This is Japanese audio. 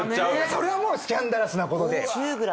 それはもうスキャンダラスなことで。